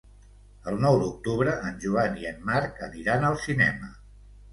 El nou d'octubre en Joan i en Marc aniran al cinema.